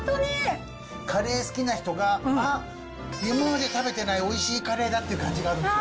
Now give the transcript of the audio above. カレー好きな人が、あっ、今まで食べてないおいしいカレーだっていう感じがあるんですよ。